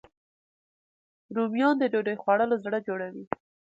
رومیان د ډوډۍ خوړلو زړه جوړوي